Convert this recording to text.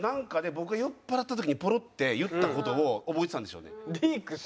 僕が酔っぱらった時にポロッて言った事を覚えてたんでしょうね。